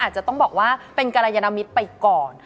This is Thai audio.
อาจจะต้องบอกว่าเป็นกรยานมิตรไปก่อน